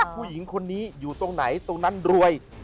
ผู้หญิงคนนี้อยู่ตรงไหนตรงนั้นรวย